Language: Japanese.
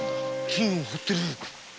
金を掘ってる。